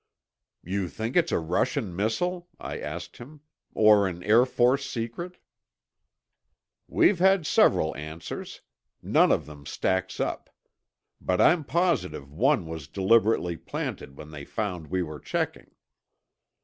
"You think it's a Russian missile?" I asked him. "Or an Air Force secret?" "We've had several answers. None of them stacks up. But I'm positive one was deliberately planted when they found we were checking."